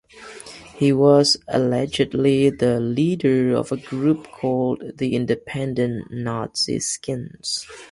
He was allegedly the leader of a group called the Independent Nazi Skins.